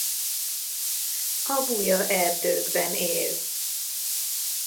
A buja erdőkben él.